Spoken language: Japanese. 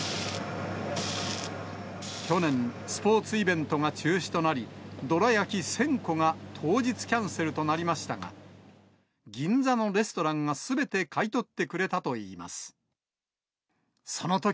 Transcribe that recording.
去年、スポーツイベントが中止となり、どら焼き１０００個が当日キャンセルとなりましたが、銀座のレストランがすべて買い取ってくれたといいます。